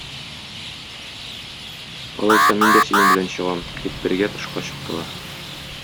Алайса мин дә синең белән чыгам, - дип, бергә тышка чыктылар.